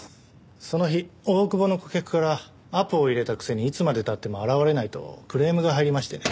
その日大久保の顧客からアポを入れたくせにいつまで経っても現れないとクレームが入りましてね。